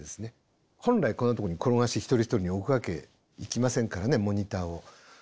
本来こんなところに転がし一人一人に置くわけいきませんからねモニターを。